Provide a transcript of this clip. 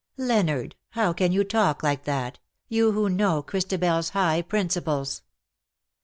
" Leonard, how can you talk like that, you who know ChristabePs high principles."